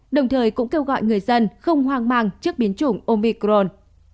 đồng thời cũng kêu gọi người dân không hoang mang trước biến chủng omicron